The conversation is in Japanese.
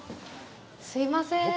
すいません。